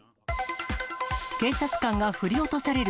警察官が振り落とされる。